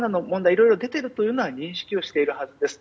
いろいろ出ているというのは認識しているはずです。